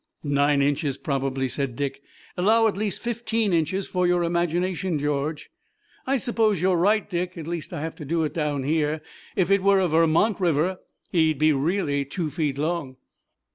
"Nine inches, probably," said Dick. "Allow at least fifteen inches for your imagination, George." "I suppose you're right, Dick. At least, I have to do it down here. If it were a Vermont river he'd be really two feet long."